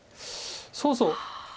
そうそう。